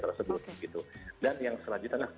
tersebut gitu dan yang selanjutnya